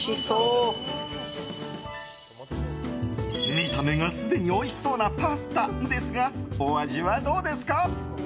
見た目がすでにおいしそうなパスタですがお味はどうですか？